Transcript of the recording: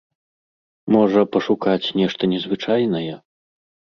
Можа, пашукаць нешта незвычайнае?